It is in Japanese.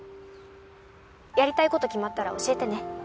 やりたいこと決まったら教えてね